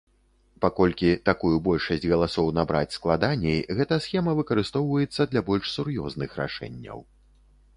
Паколькі такую большасць галасоў набраць складаней, гэта схема выкарыстоўваецца для больш сур'ёзных рашэнняў.